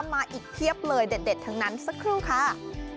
มาอีกเพียบเลยเด็ดทั้งนั้นสักครู่ค่ะ